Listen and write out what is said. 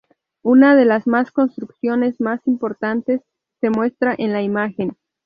Una de las más construcciones más importantes se muestra en la imagen.